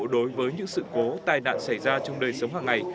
đối với những sự cố tai nạn xảy ra trong đời sống hàng ngày